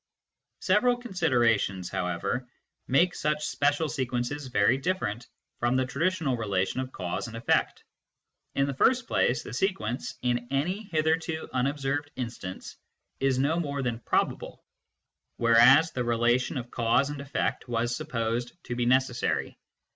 Several considerations, however, make such special sequences very different from the traditional relation of cause and effect. In the first place, the sequence, in any hitherto unobserved instance, is no more than probable, whereas the relation of cause and effect was supposed to be necessary.